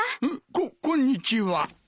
こっこんにちは。